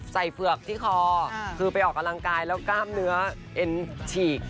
เฝือกที่คอคือไปออกกำลังกายแล้วกล้ามเนื้อเอ็นฉีก